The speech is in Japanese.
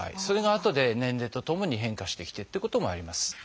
それがあとで年齢とともに変化してきてということもあります。